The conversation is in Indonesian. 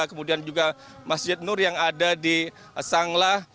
kemudian juga masjid nur yang ada di sanglah